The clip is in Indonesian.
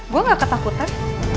gue nggak ketakutan